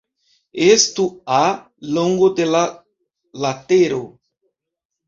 Estu "a" longo de la latero.